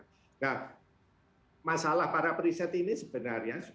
nah masalah para periset ini sebenarnya